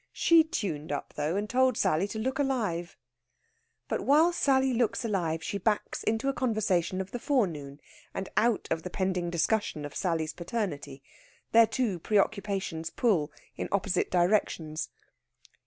She tuned up, though, and told Sally to look alive. But while Sally looks alive she backs into a conversation of the forenoon, and out of the pending discussion of Sally's paternity. Their two preoccupations pull in opposite directions.